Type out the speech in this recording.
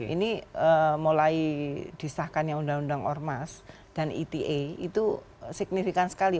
ini mulai disahkannya undang undang ormas dan eta itu signifikan sekali